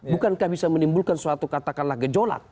bukankah bisa menimbulkan suatu katakanlah gejolak